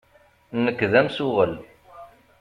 Nekk d amsuɣel.